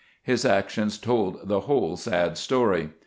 His actions told the whole sad story.